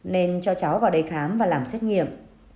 nên cho cháu vào đây khám và làm xét nghiệm